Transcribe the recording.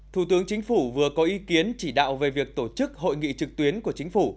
thủ tướng chính phủ vừa có ý kiến chỉ đạo về việc tổ chức hội nghị trực tuyến của chính phủ